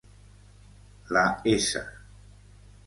La S